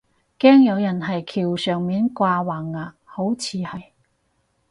驚有人係橋上面掛橫額，好似係